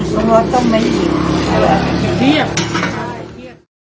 โปรดติดตามตอนต่อไป